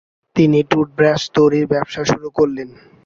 তিনি টুথব্রাশ তৈরির ব্যবসা শুরু করলেন।